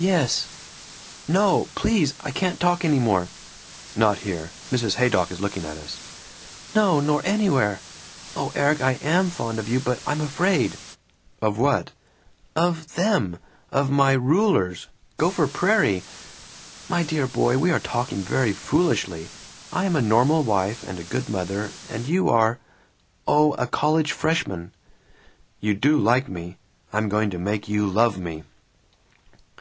"Yes No! Please! I can't talk any more." "Not here. Mrs. Haydock is looking at us." "No, nor anywhere. O Erik, I am fond of you, but I'm afraid." "What of?" "Of Them! Of my rulers Gopher Prairie. ... My dear boy, we are talking very foolishly. I am a normal wife and a good mother, and you are oh, a college freshman." "You do like me! I'm going to make you love me!"